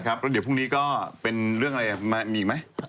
แล้วเดี๋ยวพรุ่งนี้ก็เป็นเรื่องอะไรมีอีกไหม